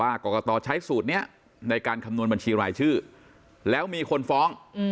กรกตใช้สูตรนี้ในการคำนวณบัญชีรายชื่อแล้วมีคนฟ้อง